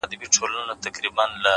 ښكلو ته كاته اكثر’